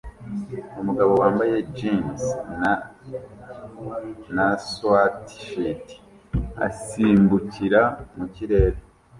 Umugabo wambaye jeans na swatshirt asimbukira mu kirere